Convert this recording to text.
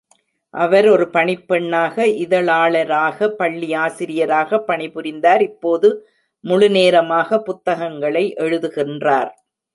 அவர் ஒரு பணிப்பெண்ணாக, இதழாளராக, பள்ளி ஆசிரியராக பணிபுரிந்தார், இப்போது முழுநேரமாக புத்தகங்களை எழுதுகின்றார்.